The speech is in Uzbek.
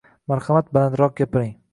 Marhamat, balandroq gapiring.